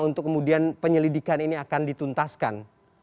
untuk kemudian penyelidikan ini akan dituntaskan